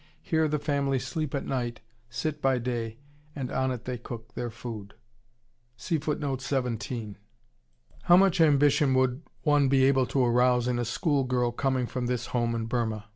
Here the family sleep at night, sit by day, and on it they cook their food. How much ambition would one be able to arouse in a school girl coming from this home in Burma?